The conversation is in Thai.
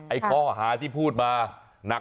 ไอ้ข้อหาที่พูดมา